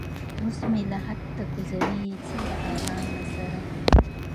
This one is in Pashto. اوس مې لحد ته کوزوي څه د ارامه سره